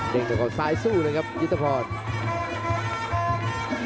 เด่งต่อขวาซ้ายสู้เลยครับยุฒิพอร์ต